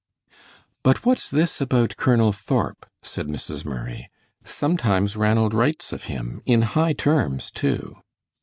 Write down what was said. "But what's this about Colonel Thorp?" said Mrs. Murray. "Sometimes Ranald writes of him, in high terms, too."